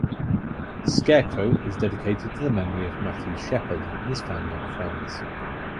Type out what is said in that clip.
"Scarecrow" is dedicated to the memory of Matthew Shepard, and his family and friends.